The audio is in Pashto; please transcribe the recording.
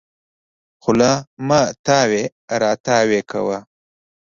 خوله مه تاوې راو تاوې کوه.